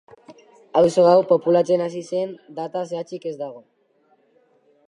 Auzo hau populatzen hasi zen data zehatzik ez dago.